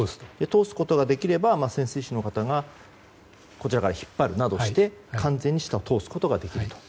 通すことができれば潜水士の方が反対から引っ張るなどして完全に下を通すことができると。